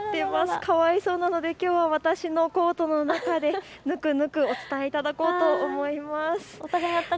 かわいそうなので私のコートの中でぬくぬくお伝えしていこうと思います。